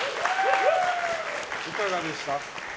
いかがでした？